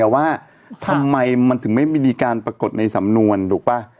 แต่ว่าทำไมมันถึงไม่มีการปรากฏในสำนวนถูกป่ะ